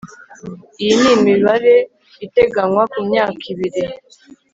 iyi ni imibare iteganywa ku myaka ibiri